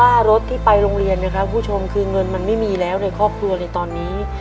ว่ารถที่ไปโรงเรียนนะครับคุณผู้ชมคือเงินมันไม่มีแล้วในครอบครัวเลยตอนนี้